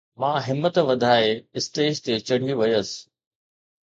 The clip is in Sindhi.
مان همت وڌائي اسٽيج تي چڙھي ويس